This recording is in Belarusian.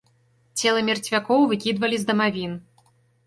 Целы мерцвякоў выкідвалі з дамавін.